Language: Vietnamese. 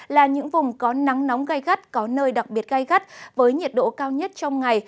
là những vùng có nắng nóng gai gắt có nơi đặc biệt gai gắt với nhiệt độ cao nhất trong ngày